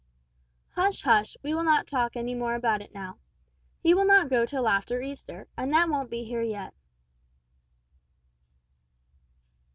"Hush, hush, we will not talk any more about it now. He will not go till after Easter, and that won't be here yet."